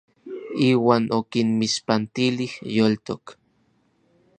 Iuan okinmixpantilij yoltok.